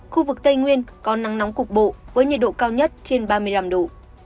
khu vực tây nguyên có nắng nóng cục bộ với nhiệt độ cao nhất trên ba mươi năm độ